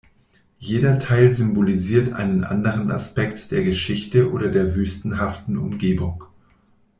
Jeder Teil symbolisiert einen anderen Aspekt der Geschichte oder der wüstenhaften Umgebung.